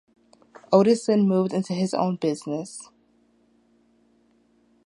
Otis then moved into his own business.